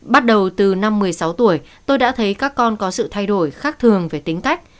bắt đầu từ năm một mươi sáu tuổi tôi đã thấy các con có sự thay đổi khác thường về tính cách